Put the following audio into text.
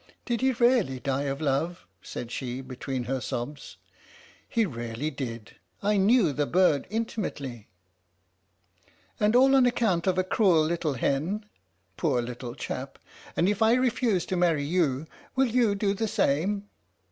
"Did he really die of love?" said she between her sobs. " He really did! I knew the bird intimately/' "And all on account of a cruel little hen? Poor little chap! And and if I refuse to marry you, will you do the same?